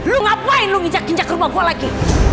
lu ngapain lu nginjak ginjak rumah gua lagi